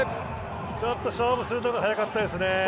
ちょっと勝負するところが早かったですね。